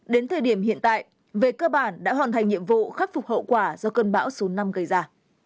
đến thời điểm hiện tại về cơ bản đã hoàn thành nhiệm vụ khắc phục hậu quả do cơn bão số năm gây ra